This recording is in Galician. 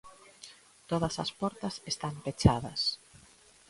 Todas as portas están pechadas.